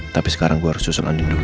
tapi sekarang gue harus susul andin dulu